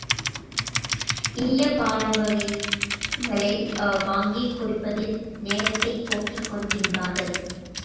இனிய பாணவகைகளை வாங்கிக் குடிப்பதில் நேரத்தை போக்கிக் கொண்டிருந்தார்கள்.